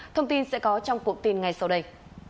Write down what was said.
thông tin sẽ có trong cụm tin ngay sau đây